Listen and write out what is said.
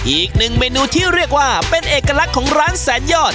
อีกหนึ่งเมนูที่เรียกว่าเป็นเอกลักษณ์ของร้านแสนยอด